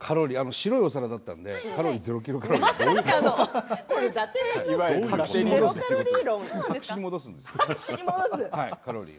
白いお皿だったのでカロリーゼロキロカロリー。